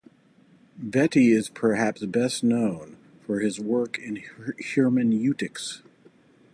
Betti is perhaps best known for his work in hermeneutics.